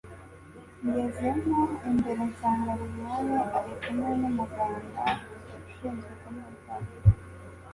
ngezemo imbere nsanga lilian ari kumwe numuganga ushinzwe kumwitaho